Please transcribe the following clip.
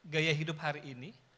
gaya hidup hari ini